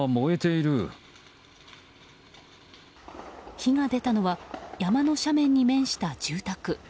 火が出たのは山の斜面に面した住宅。